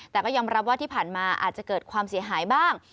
แต่ก็ยอมรับว่าที่ผ่านมาอาจจะเกิดความเสียหายบ้าง